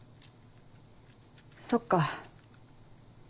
そっか。